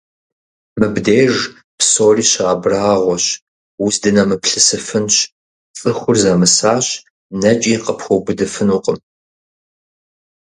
Мыбдеж псори щыабрагьуэщ, уздынэмыплъысыфынщ: цӀыхур зэмысащ, нэкӀи къыпхуэубыдыфынукъым.